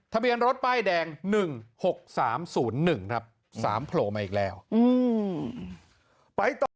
ทะเบียนรถป้ายแดงหนึ่งหกสามศูนย์หนึ่งครับสามโผล่มาอีกแล้วอืม